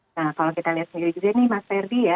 nah kalau kita lihat sendiri juga nih mas ferdi ya